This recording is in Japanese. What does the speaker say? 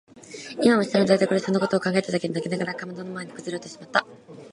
今も下の台所でそのことを考えただけで泣きながらかまどの前にくずおれてしまった。